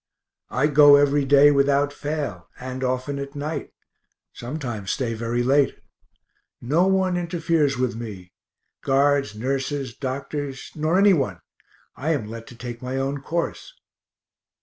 I go every day without fail, and often at night sometimes stay very late. No one interferes with me, guards, nurses, doctors, nor anyone. I am let to take my own course.